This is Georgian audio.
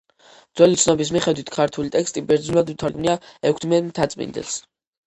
ძველი ცნობის მიხედვით, ქართული ტექსტი ბერძნულად უთარგმნია ექვთიმე მთაწმიდელს.